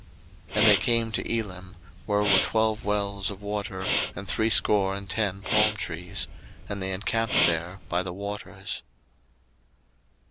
02:015:027 And they came to Elim, where were twelve wells of water, and threescore and ten palm trees: and they encamped there by the waters.